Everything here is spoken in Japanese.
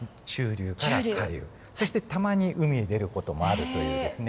そしてたまに海へ出る事もあるというですね